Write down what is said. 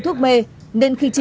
tuyền đã nhận tội